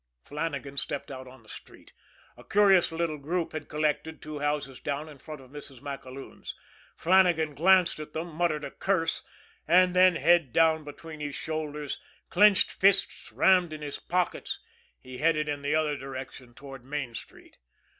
Flannagan stepped out on the street. A curious little group had collected two houses down in front of Mrs. MacAloon's. Flannagan glanced at them, muttered a curse; and then, head down between his shoulders, clenched fists rammed in his pockets, he headed in the other direction toward Main Street.